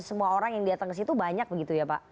semua orang yang datang ke situ banyak begitu ya pak